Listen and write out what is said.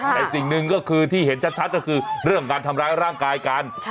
แต่สิ่งหนึ่งก็คือที่เห็นชัดก็คือเรื่องการทำร้ายร่างกายกัน